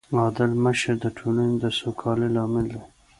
عادل مشر د ټولنې د سوکالۍ لامل دی.